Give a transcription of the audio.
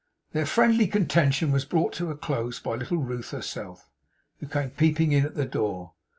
Their friendly contention was brought to a close by little Ruth herself, who came peeping in at the door.